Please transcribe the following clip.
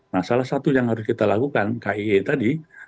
nah salah satu yang harus kita lakukan kie tadi